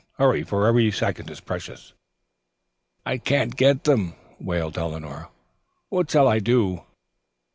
Hurry, for every second is precious." "I can't get them," wailed Eleanor. "What shall I do?"